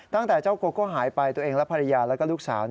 ตั้งแต่เจ้าโกโก้หายไปตัวเองและภรรยาแล้วก็ลูกสาว